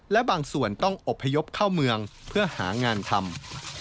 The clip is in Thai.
และบางส่วนต้องอบพยพเข้าเมืองเพื่อหางานทำ